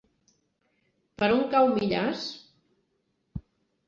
Per on cau Millars?